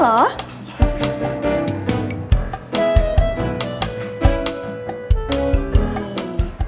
masih masih masih masih